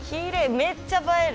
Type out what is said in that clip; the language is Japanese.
めっちゃ映える。